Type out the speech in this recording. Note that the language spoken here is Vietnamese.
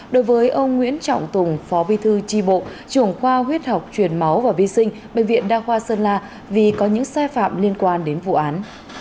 đối với ông nguyễn trọng tùng phó bi thư tri bộ trưởng khoa huyết học truyền máu và vi sinh bệnh viện đa khoa sơn la vì có những sai phạm liên quan đến vụ án